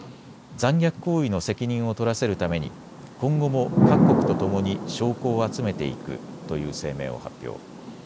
残虐行為の責任を取らせるために今後も各国とともに証拠を集めていくという声明を発表。